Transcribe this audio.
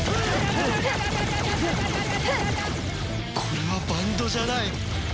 これはバンドじゃない。